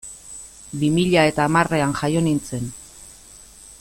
Bi mila eta hamarrean jaio nintzen.